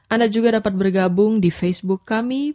anda juga dapat bergabung di facebook kami